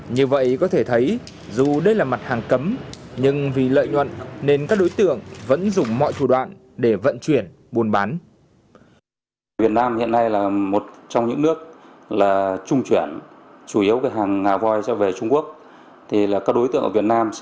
như vậy có thể thấy dù đây là mặt hàng cấm nhưng vì lợi nhuận nên các đối tượng vẫn dùng mọi thủ đoạn để vận chuyển buôn bán